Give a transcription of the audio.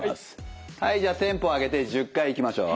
はいじゃあテンポを上げて１０回いきましょう。